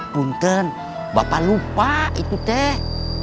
bonten bapak lupa itu teh